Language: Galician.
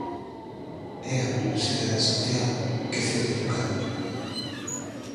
E a Universidade de Santiago, que cede o local.